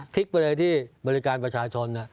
กไปเลยที่บริการประชาชน